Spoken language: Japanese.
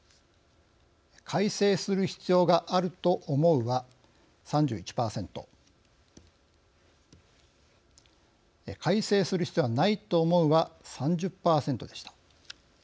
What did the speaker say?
「改正する必要があると思う」は３１％「改正する必要はないと思う」は３０％でした。